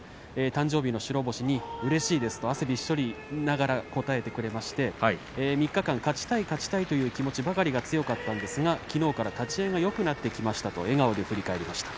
誕生日の白星、うれしいですと汗びっしょりながら答えてくれまして、３日間勝ちたい勝ちたいという気持ちばかりが強かったんですがきのうから立ち合いがよくなってきましたと笑顔で振り返りました。